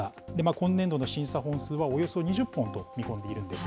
今年度の審査本数はおよそ２０本と見込んでいるんです。